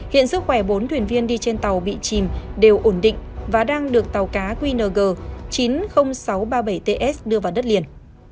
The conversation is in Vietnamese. hiện sức khỏe bốn thuyền viên đi trên tàu bị chìm đều ổn định và đang được tàu cá qng chín mươi nghìn sáu trăm ba mươi bảy ts đưa vào đất liền